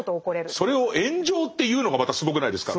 それを「炎上」って言うのがまたすごくないですか。